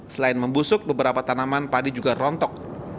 selain membusuk beberapa tanaman padi juga rontok